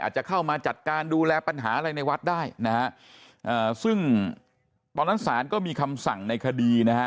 อาจจะเข้ามาจัดการดูแลปัญหาอะไรในวัดได้นะฮะซึ่งตอนนั้นศาลก็มีคำสั่งในคดีนะฮะ